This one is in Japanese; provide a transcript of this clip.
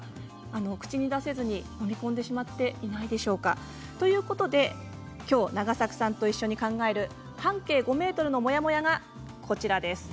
口に出せずに飲み込んでしまっていないでしょうか？ということできょうは永作さんと一緒に考える半径５メートルのモヤモヤがこちらです。